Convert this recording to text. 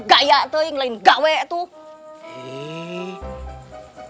kayak tuh yang lain gawe tuh